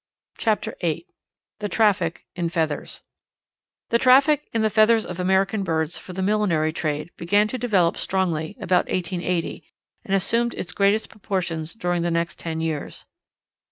CHAPTER VIII THE TRAFFIC IN FEATHERS The traffic in the feathers of American birds for the millinery trade began to develop strongly about 1880 and assumed its greatest proportions during the next ten years.